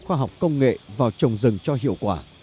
khoa học công nghệ vào trồng rừng cho hiệu quả